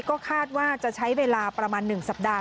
ก็คาดว่าจะใช้เวลาประมาณ๑สัปดาห